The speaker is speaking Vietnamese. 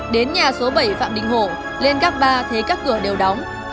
đến nhà số bảy phạm đình hổ lên các ba thế các cửa đều đóng